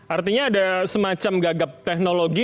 artinya ada semacam gagap teknologi